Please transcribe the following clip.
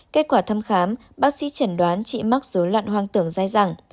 kết quả thăm khám bác sĩ trần đoán chị b mắc dối loạn hoang tưởng dai dẳng